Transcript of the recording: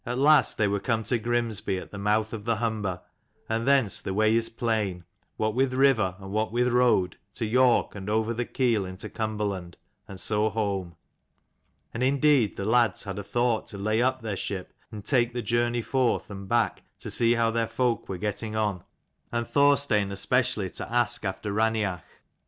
last they were come to iGrimsby at the mouth of the Humber, and thence the way is plain, what with river and [what with road, to York, and >ver the Keel into Cumberland, and so home. And indeed the lads had a thought to lay up their ship and take the journey forth and back to see how their folk were getting on, and Thorstein especially to ask after Raineach.